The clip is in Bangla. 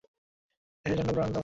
দেশের জন্য প্রাণ দাও।